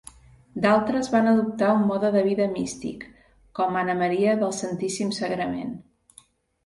D'altres van adoptar un mode de vida místic, com Anna Maria del Santíssim Sagrament.